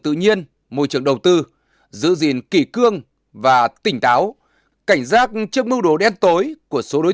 tự nhiên môi trường đầu tư giữ gìn kỷ cương và tỉnh táo cảnh giác trước mưu đồ đen tối của số đối